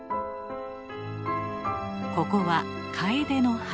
ここはカエデの林。